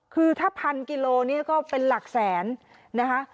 คือถ้าพันกิโลเนี่ยก็เป็นหลักแสนนะคะ